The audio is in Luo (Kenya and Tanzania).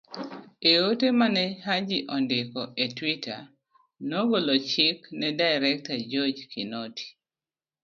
E ote ma ne Haji ondiko e twitter, nogolo chik ne Director George Kinoti